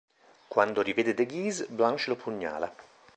Quando rivede de Guise, Blanche lo pugnala.